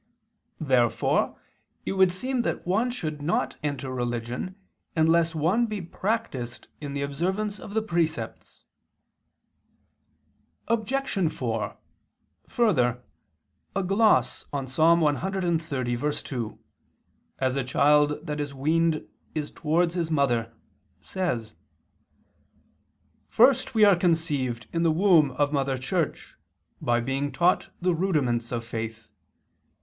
Therefore it would seem that one should not enter religion unless one be practiced in the observance of the precepts. Obj. 4: Further, a gloss on Ps. 130:2, "As a child that is weaned is towards his mother," says: "First we are conceived in the womb of Mother Church, by being taught the rudiments of faith.